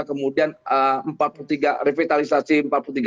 kemudian empat puluh tiga revitalisasi